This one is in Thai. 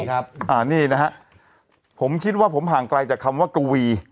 ครับอ่านี่นะฮะผมคิดว่าผมห่างไกลจากคำว่ากวี